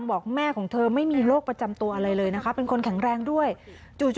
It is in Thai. เอาเรื่องนี้มาเล่าสู่กันฟังคุณท่านผู้ชม